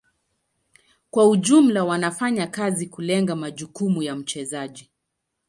Kwa ujumla wanafanya kazi kulenga majukumu ya mchezaji.